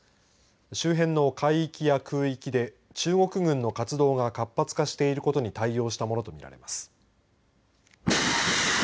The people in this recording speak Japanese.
周辺の海域や空域で中国軍の活動が活発化していることに対応したものとみられます。